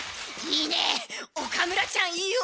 いいね岡村ちゃんいいよ。